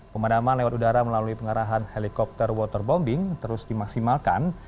pemadaman lewat udara melalui pengarahan helikopter waterbombing terus dimaksimalkan